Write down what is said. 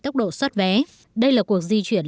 tốc độ soát vé đây là cuộc di chuyển